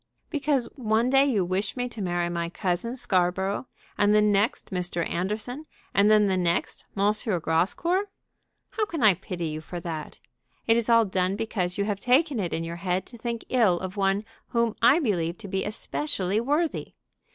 "Because one day you wish me to marry my cousin Scarborough, and the next Mr. Anderson, and then the next M. Grascour? How can I pity you for that? It is all done because you have taken it in your head to think ill of one whom I believe to be especially worthy.